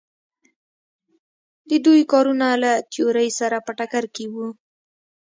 د دوی کارونه له تیورۍ سره په ټکر کې وو.